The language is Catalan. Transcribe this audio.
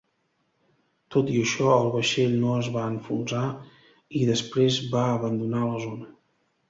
Tot i això, el vaixell no es va enfonsar i després va abandonar la zona.